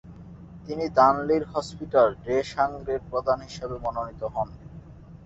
তিনি দানলির হসপিটাল ডে সাংগ্রের প্রধান হিসেবে মনোনীত হন।